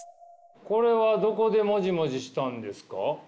これはどこでモジモジしたんですか？